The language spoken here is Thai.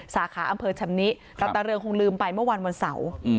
สาขาอำเภอชำนิตาตาเรืองคงลืมไปเมื่อวานวันเสาร์